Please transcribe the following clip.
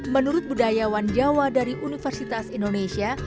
menurut budayawan jawa dari universitas indonesia